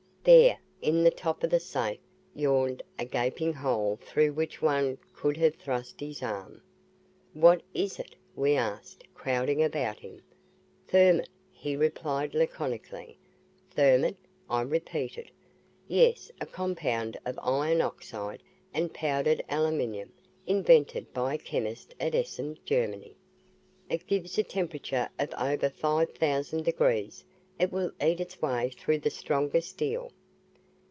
There, in the top of the safe, yawned a gaping hole through which one could have thrust his arm! "What is it?" we asked, crowding about him. "Thermit," he replied laconically. "Thermit?" I repeated. "Yes a compound of iron oxide and powdered aluminum invented by a chemist at Essen, Germany. It gives a temperature of over five thousand degrees. It will eat its way through the strongest steel."